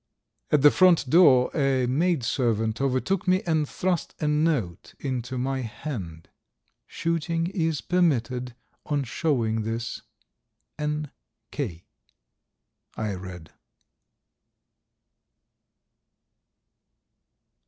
... At the front door a maidservant overtook me and thrust a note into my hand: "Shooting is permitted on showing this. N. K.," I read.